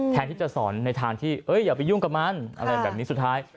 แทนที่จะสอนในทางที่อย่าไปยุ่งกับมันอะไรแบบนี้สุดท้าย